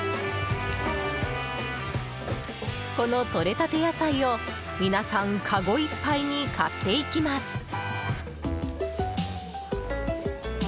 このとれたて野菜を皆さんかごいっぱいに買っていきます。